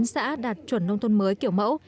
chín xã đạt chuẩn nông thôn mới kiểu mẫu